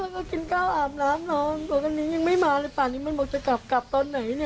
ก็กินข้าวอาบน้ำนอนตัวนี้ยังไม่มาเลยป่านนี้มันบอกจะกลับตอนไหนเนี่ย